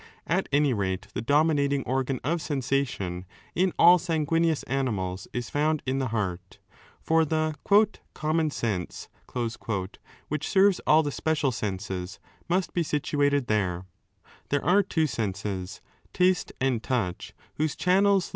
At any rate, the dominating 8 organ of sensation in all sanguineous animals is found in the heart, for the 'common sense' which serves all the special senses must be situated thera There are two senses, taste ^ and touch, whose channels lead mani ^ De part, an, 605a 15.